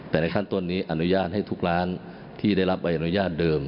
แต่ในขั้นต้นนี้อนุญาตให้ทุกร้านที่ได้รับใบอนุญาตเดิม